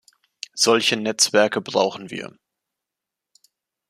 Solche Netzwerke brauchen wir.